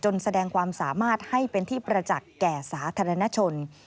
แสดงความสามารถให้เป็นที่ประจักษ์แก่สาธารณชน